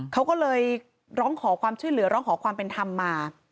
เขาก็เลยร้องขอความช่วยเหลือร้องขอความเป็นธรรมมา